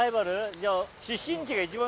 じゃあ。